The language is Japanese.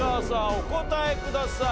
お答えください。